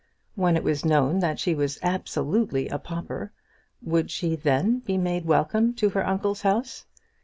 When it was known that she was absolutely a pauper, would she then be made welcome to her uncle's house?